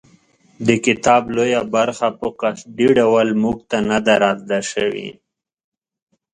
د کتاب لویه برخه په قصدي ډول موږ ته نه ده رازده شوې.